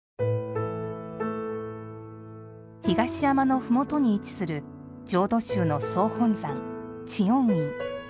東山の麓に位置する浄土宗の総本山、知恩院。